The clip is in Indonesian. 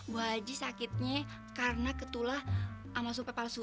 bu haji sakitnya karena ketulah sama sumpah palsu